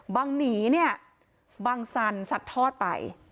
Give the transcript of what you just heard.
หนีเนี่ยบังสันสัดทอดไป